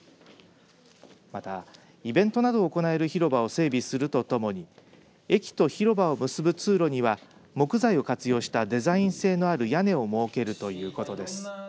また、イベントなどを行える広場を整備するとともに駅と広場を結ぶ通路には木材を活用したデザイン性のある屋根を設けるということです。